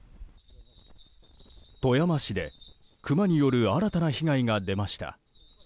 富山市でクマによる新たな被害が出ました。